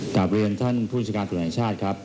กลับเรียนท่านผู้จัดการสมุทรการสถครับ